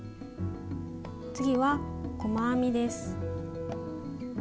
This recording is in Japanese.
次は細編みです。